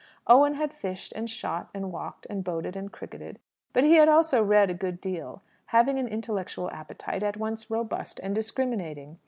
Owen had fished, and shot, and walked, and boated, and cricketed; but he had also read a good deal, having an intellectual appetite at once robust and discriminating.